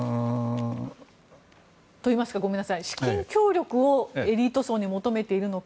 といいますか資金協力をエリート層に求めているのか